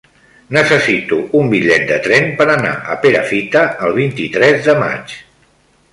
Necessito un bitllet de tren per anar a Perafita el vint-i-tres de maig.